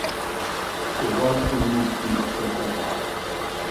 У вас у місті ЧК.